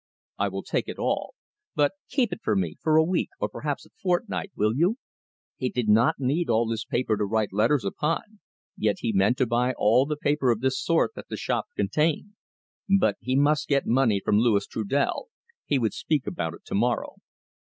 "I will take it all. But keep it for me, for a week, or perhaps a fortnight, will you?" He did not need all this paper to write letters upon, yet he meant to buy all the paper of this sort that the shop contained. But he must get money from Louis Trudel he would speak about it to morrow.